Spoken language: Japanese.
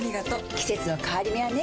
季節の変わり目はねうん。